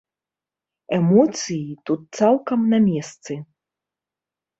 Эмоцыі тут цалкам на месцы.